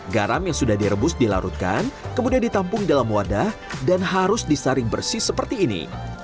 garam yang sudah direbus dilarutkan kemudian ditampung dalam wadah dan harus disaring bersih seperti ini